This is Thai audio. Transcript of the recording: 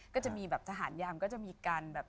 ก็จะมีทหารยามเหมาะกัน